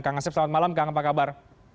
kang asep selamat malam kang apa kabar